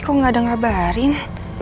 kok nggak ada ngabarin